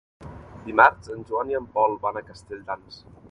Dimarts en Joan i en Pol van a Castelldans.